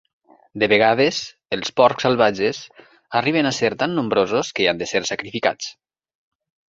De vegades, els porcs salvatges arriben a ser tan nombrosos que han de ser sacrificats.